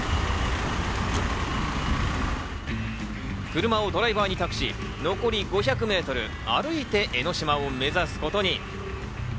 車をドライバーに託し、残り５００メートル歩いて江の島を目指すことに。